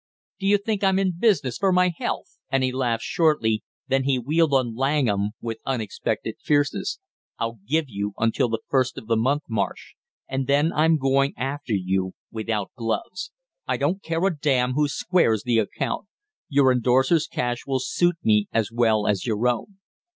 Do you think I'm in business for my health?" And he laughed shortly, then he wheeled on Langham with unexpected fierceness. "I'll give you until the first of the month, Marsh, and then I'm going after you without gloves. I don't care a damn who squares the account; your indorsers' cash will suit me as well as your own."